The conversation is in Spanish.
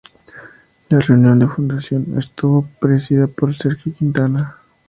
La reunión de fundación estuvo presidida por Sergio Quintana.